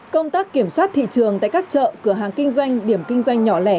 công tác kiểm soát thị trường tại các chợ cửa hàng kinh doanh điểm kinh doanh nhỏ lẻ